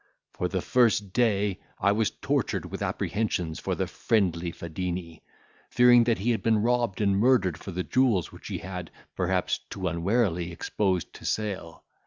For the first day, I was tortured with apprehensions for the friendly Fadini, fearing that he had been robbed and murdered for the jewels which he had, perhaps, too unwarily exposed to sale.